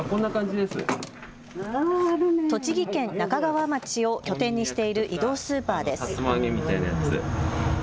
栃木県那珂川町を拠点にしている移動スーパーです。